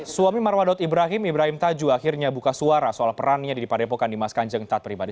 suami marwadot ibrahim ibrahim tajuh akhirnya buka suara soal perannya di padepokan dimas kanjeng taat pribadi